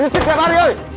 urusan aku yang benar